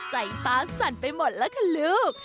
ตาสั่นไปหมดแล้วค่ะลูก